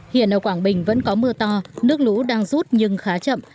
hiện ở quảng bình vẫn có mưa to nước lũ đang rút nhưng khá chậm